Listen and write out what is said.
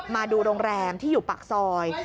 มาดูโรงแรมที่อยู่ปากซอย